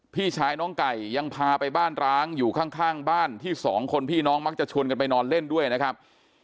พี่ชายน้องไก่ยังพาไปบ้านร้างอยู่ข้างบ้านที่สองคนพี่น้องมักจะชวนกันไปนอนเล่นด้วยนะครับ